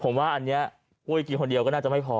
ผมว่าอันนี้ปุ้ยกินคนเดียวก็น่าจะไม่พอ